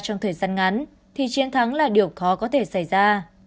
trong thời gian ngắn thì chiến thắng là điều khó có thể xảy ra